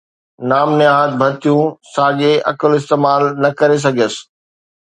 نام نهاد ڀرتيون، ساڳي عقل استعمال نه ڪري سگهيس.